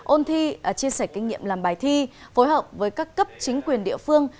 ôn thi chia sẻ kinh nghiệm làm bài thi phối hợp với các cấp chính quyền địa phương